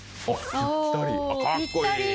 ぴったり。